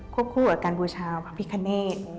คู่กับการบูชาพระพิคเนต